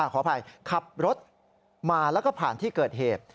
ขออภัยขับรถมาแล้วก็ผ่านที่เกิดเหตุ